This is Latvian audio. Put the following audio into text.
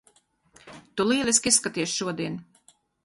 Tu lieliski izskaties šodien!